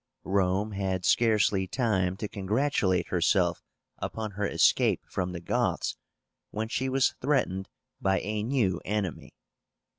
Rome had scarcely time to congratulate herself upon her escape from the Goths, when she was threatened by a new enemy.